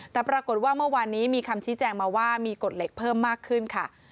แต่ปรากฏว่าเมื่อวานนี้มีคำชี้แจงมาว่ามีกฎเหล็กเพิ่มมากขึ้นค่ะ